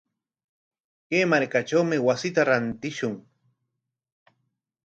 Kay markatrawmi wasita rantishun.